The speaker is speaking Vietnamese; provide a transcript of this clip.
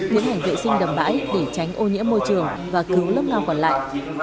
những hành vệ sinh đầm bãi để tránh ô nhiễm môi trường và cứu lớp ngao còn lại